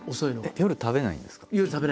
夜食べないんです。